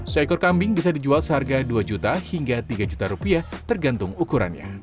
seekor kambing bisa dijual seharga dua juta hingga tiga juta rupiah tergantung ukurannya